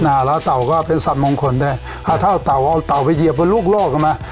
อ่าแล้วเต่าก็เป็นสัตว์มงคลได้เอาเท่าเต่าเอาเต่าไปเหยียบบนลูกโลกเอามา